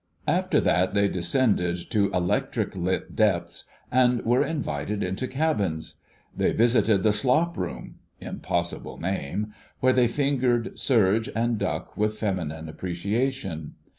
After that they descended to electric lit depths, and were invited into cabins; they visited the "Slop room" (impossible name), where they fingered serge and duck with feminine appreciation.